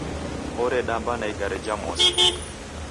Oredamba na igare ja mosi.